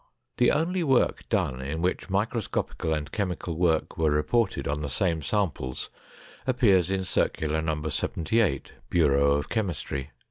The only work done in which microscopical and chemical work were reported on the same samples appears in Circular No. 78, Bureau of Chemistry.